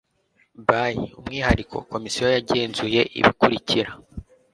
By umwihariko Komisiyo yagenzuye ibikurikira